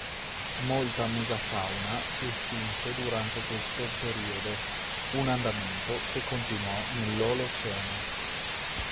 Molta megafauna si estinse durante questo periodo, un andamento che continuò nell'Olocene.